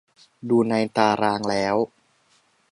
ดูในตารางแล้ว